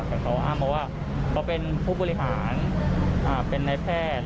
แต่เขาอ้างมาว่าเขาเป็นผู้บริหารเป็นนายแพทย์